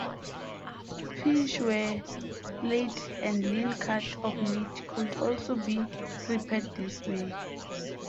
Fish were splayed and lean cuts of meat could also be prepared this way.